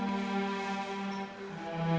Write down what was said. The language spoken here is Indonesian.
nanti kita berdua bisa berdua